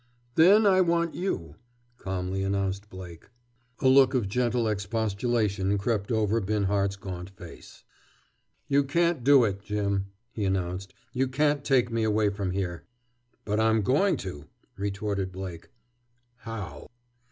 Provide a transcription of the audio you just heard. "Then I want you," calmly announced Blake. A look of gentle expostulation crept over Binhart's gaunt face. "You can't do it, Jim," he announced. "You can't take me away from here." "But I'm going to," retorted Blake. "How?"